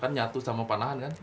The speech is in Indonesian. kan nyatu sama panahan kan